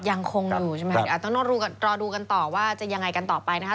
ยังคงอยู่ใช่ไหมรอดูกันต่อว่าจะยังไงกันต่อไปนะคะ